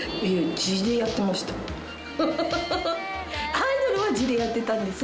アイドルは地でやってたんです。